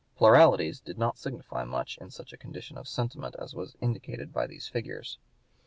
Pluralities did not signify much in such a condition of sentiment as was indicated by these figures.